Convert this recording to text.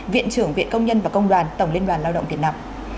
viện trưởng viện công nhân và công đoàn tổng liên đoàn lao động việt nam